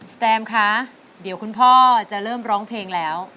แตมคะเดี๋ยวคุณพ่อจะเริ่มร้องเพลงแล้ว